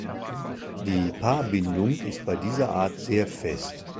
Die Paarbindung ist bei dieser Art sehr fest.